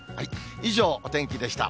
以上、お天気でした。